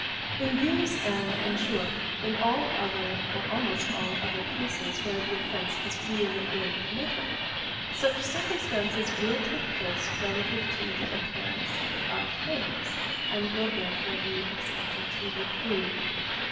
In these and, in short, in all other or almost all other cases where the offence has really been committed, some circumstances will take place relative to the appearance of things, and will therefore be expected to be proved.